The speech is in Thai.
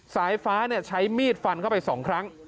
สายฟ้าใช้มีดฟันเข้าไป๒ครั้ง